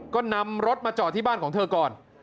ก็นำรถมาจอดที่บ้านของเธอก่อน